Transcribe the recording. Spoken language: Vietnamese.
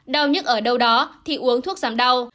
đau nhức ở đâu đó thì uống thuốc giảm đau